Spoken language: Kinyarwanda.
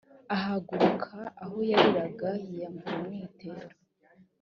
ahaguruka aho yariraga yiyambura umwitero